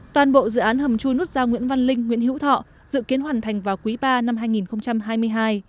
toàn bộ dự án hầm chui nút giao nguyễn văn linh nguyễn hữu thọ dự kiến hoàn thành vào quý ba năm hai nghìn hai mươi hai